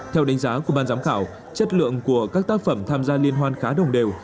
theo đánh giá của ban giám khảo chất lượng của các tác phẩm tham gia liên hoan khá đồng đều